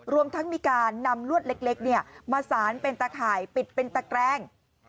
รวมทั้งมีการนำลวดเล็กมาสารเป็นตะข่ายปิดเป็นตะแกรง